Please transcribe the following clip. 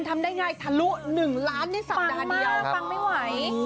ทานึงล้านนี้สัตว์เดียวครั้งที่ไม่ไหว